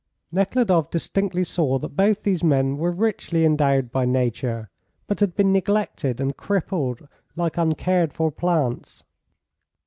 Nekhludoff distinctly saw that both these men were richly endowed by nature, but had been neglected and crippled like uncared for plants.